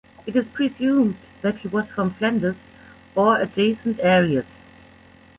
It is presumed that he was from Flanders or adjacent areas.